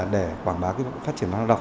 để quảng bá phát triển bản đọc